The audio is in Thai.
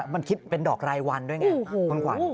มันคิดเป็นดอกรายวันด้วยไงคุณขวัญ